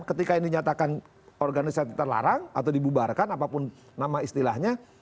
ketika yang dinyatakan organisasi terlarang atau dibubarkan apapun nama istilahnya